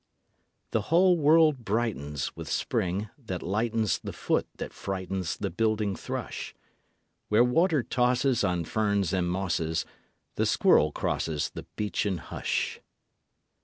The whole world brightens With spring, that lightens The foot that frightens The building thrush; Where water tosses On ferns and mosses The squirrel crosses The beechen hush.